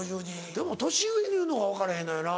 でも年上に言うのが分からへんのよな。